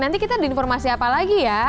nanti kita ada informasi apa lagi ya